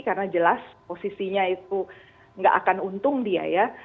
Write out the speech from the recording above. karena jelas posisinya itu nggak akan untung dia ya